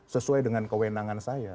sesuai dengan kewenangan saya